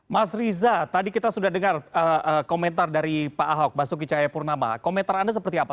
mas riza tadi kita sudah dengar komentar dari pak ahok basuki cahayapurnama komentar anda seperti apa